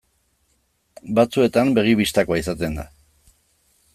Batzuetan begi bistakoa izaten da.